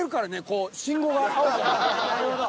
なるほど。